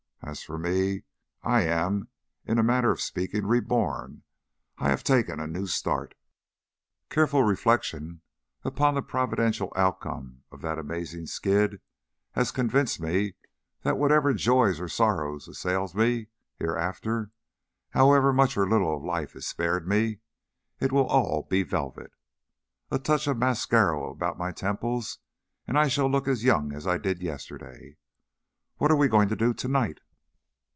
As for me, I am, in a manner of speaking, reborn. I have taken a new start. Careful reflection upon the providential outcome of that amazing skid has convinced me that whatever joys or sorrows assail me hereafter, however much or little of life is spared me, it will be all 'velvet.' A touch of mascaro about my temples and I shall look as young as I did yesterday. What are we going to do to night?"